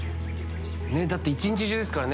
だって１日中ですからね。